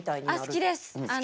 好きです。